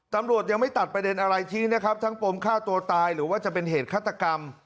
ตำรวจยังไม่ตัดประเด็นอะไรทิ้งนะครับทั้งปมฆ่าตัวตายหรือว่าจะเป็นเหตุฆาตกรรม